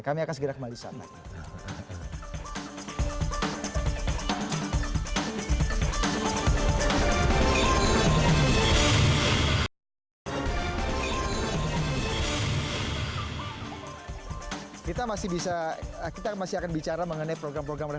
kami akan segera kembali bersama